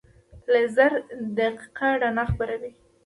لیزر دقیقه رڼا خپروي.